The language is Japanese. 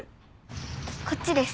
こっちです。